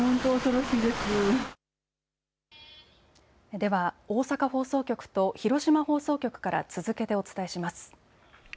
では大阪放送局と広島放送局から続けてお伝えします。